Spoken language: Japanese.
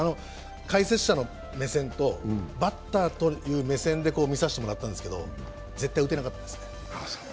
解説者の目線とバッターという目線で見させてもらったんですけど絶対打てなかったですね。